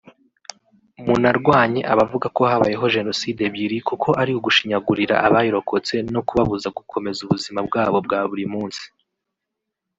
Munarwanye abavuga ko habayeho Jenoside ebyiri kuko ari ugushinyagurira abayirokotse no kubabuza gukomeza ubuzima bwabo bwa buri munsi